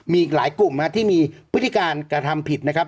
มีอีกหลายกลุ่มที่มีพฤติการกระทำผิดนะครับ